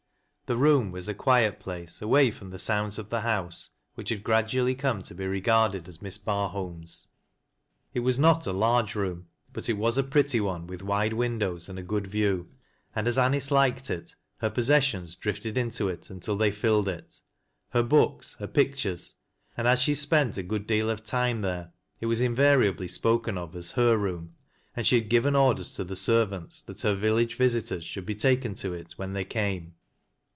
The room was a quiet place, away from the sounds cl [he. house, which had gradually come to be regarded as Miss Barholm's. It was not a large i oom but it was a pretty one, with vide windowi» and a good view, and « JOAN AND IBE PIGTUBB. 10] A.nice liked it, her possessions drifted into it until tbej filled it, — her books, her pictures, — and as she spent a good ieal of her time there, it was invariably spoken ti as her room, and she had given orders to the servants tha* 'er village visitors should be taken to it when thej came.